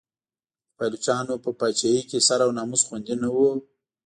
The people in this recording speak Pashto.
د پایلوچانو په پاچاهۍ کې سر او ناموس خوندي نه و.